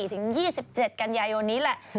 ถึง๒๗กันยายนนี้แหละ